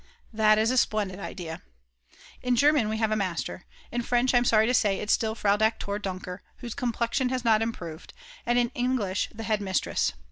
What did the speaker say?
That is a splendid idea. In German we have a master, in French I am sorry to say it's still Frau Doktor Dunker, whose complexion has not improved, and in English the head mistress.